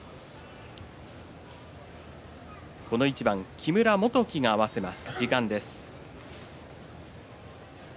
この一番、木村元基が合わせます。